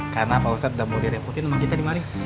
karena pak ustadz udah boleh rekrutin sama kita di mari